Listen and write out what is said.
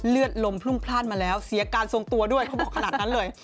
เลือดลมพรุ่งพลาดมาแล้วเสียการทรงตัวด้วยเขาบอกขนาดนั้นเลย